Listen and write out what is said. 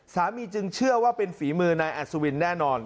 จึงเชื่อว่าเป็นฝีมือนายอัศวินแน่นอน